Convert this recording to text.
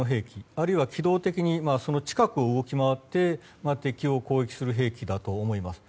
あるいは機動的にその近くを動き回って敵を攻撃する兵器だと思います。